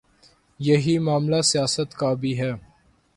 یہی معاملہ سیاست کا بھی ہے۔